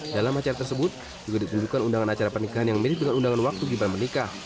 dalam acara tersebut juga ditunjukkan undangan acara pernikahan yang mirip dengan undangan waktu gibran menikah